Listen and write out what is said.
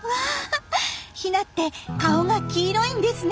ヒナって顔が黄色いんですね。